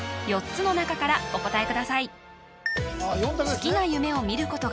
４つの中からお答えください